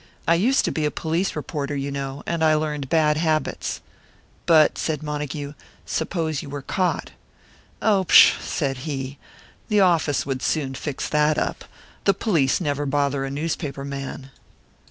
I used to be a police reporter, you know, and I learned bad habits." "But," said Montague, "suppose you were caught?" "Oh, pshaw!" said he. "The office would soon fix that up. The police never bother a newspaper man."